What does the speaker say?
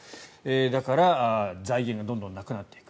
だから財源がどんどんなくなっていく。